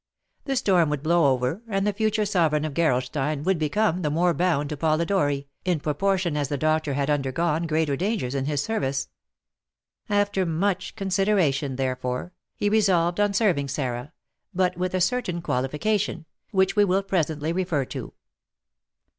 The storm would blow over, and the future sovereign of Gerolstein would become the more bound to Polidori, in proportion as the doctor had undergone greater dangers in his service. After much consideration, therefore, he resolved on serving Sarah, but with a certain qualification, which we will presently refer to.